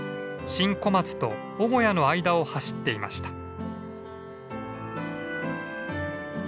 新小松と尾小屋の間を走っていました。